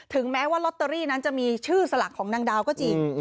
แม้ว่าลอตเตอรี่นั้นจะมีชื่อสลักของนางดาวก็จริง